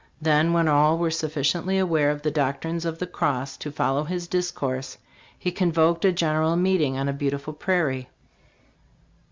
"Then, when all were suffi ciently aware of the doctrines of the Cross to follow his discourse, he con voked a general meeting on a beautiful prairie.